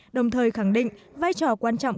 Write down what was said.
đồng thời khẳng định vai trò quan trọng